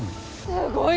すごい！